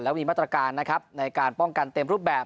มีมาตรการนะครับในการป้องกันเต็มรูปแบบ